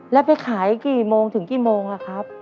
แล้วไปขายกี่โมงถึงกี่โมงอะครับ